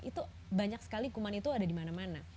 itu banyak sekali kuman itu ada dimana mana